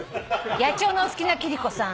「野鳥のお好きな貴理子さん